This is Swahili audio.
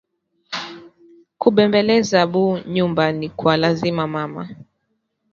Ku bembeleza bu nyumba ni kwa lazima mama